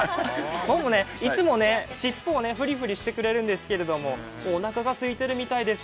いつも尻尾をふりふりしてくれるんですけどもうおなかがすいているみたいです。